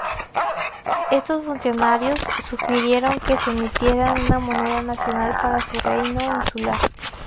Estos funcionarios sugirieron que se emitiera una moneda nacional para su reino insular.